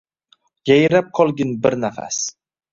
Yayrab qolgin bir nafas.